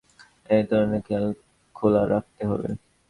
বাণিজ্য বিরোধে সমাধান আনতে হলে এ ধরনের আলোচনার পথ খোলা রাখতে হবে।